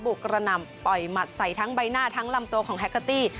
กระหน่ำปล่อยหมัดใส่ทั้งใบหน้าทั้งลำตัวของแฮกเกอร์ตี้